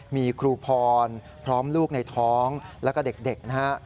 มีครูพรพร้อมลูกในท้องแล้วก็เด็กนะฮะ